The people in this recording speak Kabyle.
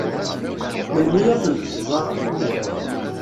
Melmi ad tent-tẓeṛ?